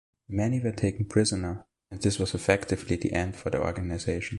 Many were taken prisoner and this was effectively the end for the organisation.